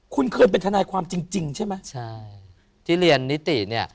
คุณเคยเป็นทนายความจริงจริงใช่ไหมใช่ที่เรียนนิติเนี่ย